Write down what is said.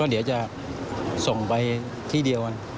เดี๋ยวจะส่งไปที่เดียวกัน